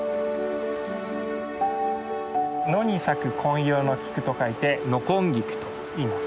野に咲く紺色の菊と書いてノコンギクといいます。